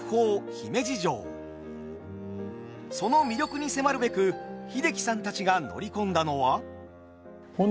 その魅力に迫るべく英樹さんたちが乗り込んだのは。